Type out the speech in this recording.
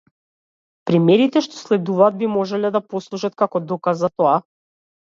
Примерите што следуваат би можеле да послужат како доказ за ова.